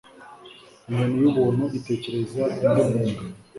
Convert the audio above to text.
Inyoni yubuntu itekereza undi muyaga